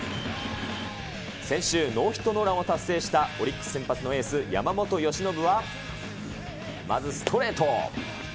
先週、ノーヒットノーランを達成したオリックス先発のエース、山本由伸は、まずストレート。